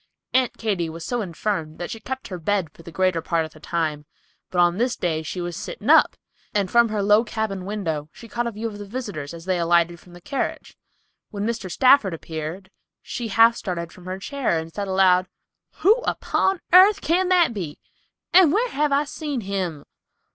Aunt Katy was so infirm that she kept her bed for the greater part of the time, but on this day she was sitting up, and from her low cabin window she caught a view of the visitors as they alighted from the carriage. When Mr. Stafford appeared, she half started from her chair and said aloud, "Who upon airth can that be, and whar have I seen him?